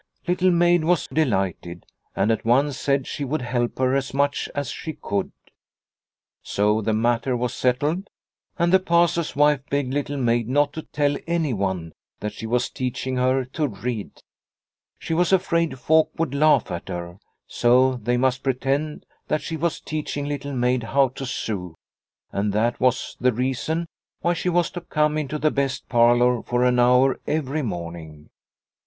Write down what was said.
Little Maid was delighted, and at once said she would help her as much as she could. So the matter was settled, and the Pastor's wife begged Little Maid not to tell anyone that she was teaching her to read. She was afraid folk would laugh at her, so they must pretend that she was The Daily Round 201 teaching Little Maid how to sew, and that was the reason why she was to come into the best parlour for an hour every morning.